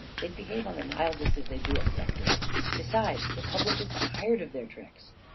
They'd behave on the Nile just as they do at Rector's. Besides, the public is tired of their tricks."